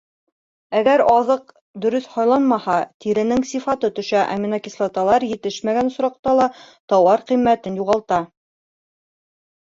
Әгәр аҙыҡ дөрөҫ һайланмаһа, тиренең сифаты төшә, аминокислоталар етешмәгән осраҡта ла тауар ҡиммәтен юғалта.